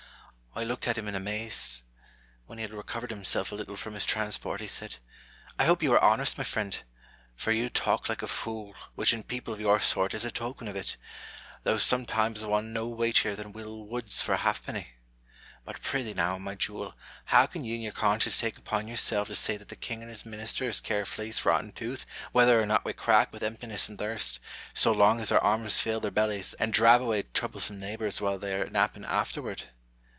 I looked at him in amaze. When he had recovered himself a little from his transport, he said, " I hope you are honest, my friend ! for you talk like a fool, which in people of your sort is a token of it, though some times one no weightier than Will Wood's for a halfpenny. But prythee, now, my jewel, how can you in your conscience take upon yourself to say that the king and his ministers care a flea's rotten tooth whether or not we crack with emptiness and thirst, so long as our arms fill their bellies, and drive away troublesome neighbours while they are napping afterward